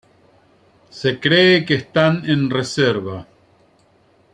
Se cree que están en reserva.